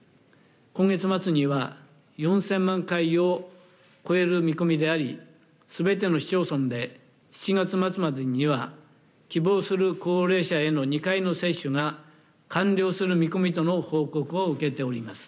今月末には、４０００万回を超える見込みであり、すべての市町村で７月末までには希望する高齢者への２回の接種が完了する見込みとの報告を受けております。